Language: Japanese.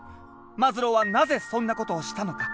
マズローはなぜそんなことをしたのか？